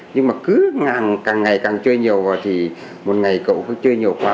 nhưng mà cứ ngày càng chơi nhiều vào thì một ngày cậu cứ chơi nhiều quá